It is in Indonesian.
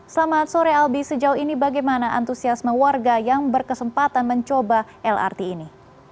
selamat sore albi sejauh ini bagaimana antusiasme warga yang berkesempatan mencoba lrt ini